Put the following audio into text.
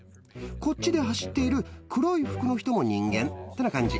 こっちで走っている黒い服の人も人間ってな感じ。